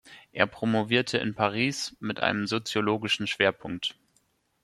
Er promovierte in Paris mit einem soziologischen Schwerpunkt.